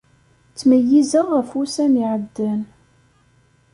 Ttmeyyizeɣ ɣef wussan iɛeddan.